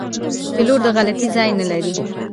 پیلوټ د غلطي ځای نه لري.